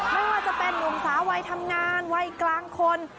ไม่ว่าจะเป็นนุ่มสาววัยทำงานวัยกลางคน